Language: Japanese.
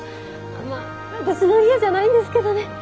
まあ私の家じゃないんですけどね。